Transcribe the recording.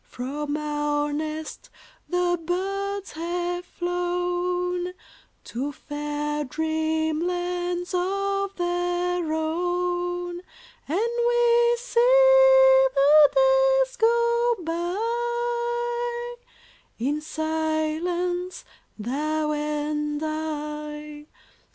From our nest the birds have flown To fair dreamlands of their own, And we see the days go by, In silence — thou and I